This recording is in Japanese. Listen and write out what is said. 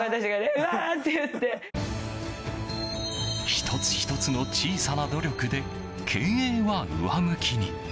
１つ１つの小さな努力で経営は上向きに。